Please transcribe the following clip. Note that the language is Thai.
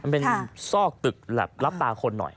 มันเป็นซอกตึกแบบรับตาคนหน่อย